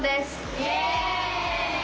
イエイ！